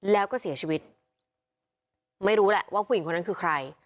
แล้วก็เสียชีวิตไม่รู้แหละว่าผู้หญิงคนนั้นคือใคร